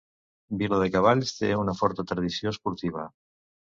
Viladecavalls té una forta tradició esportiva.